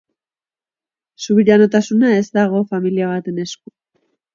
Subiranotasuna ez dago familia baten esku.